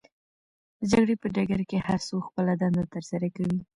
د جګړې په ډګر کې هرڅوک خپله دنده ترسره کوي.